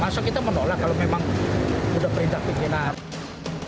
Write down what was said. masa kita menolak kalau memang sudah perintah pimpinan